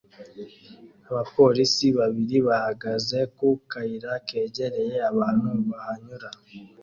Abapolisi babiri bahagaze ku kayira kegereye abantu bahanyura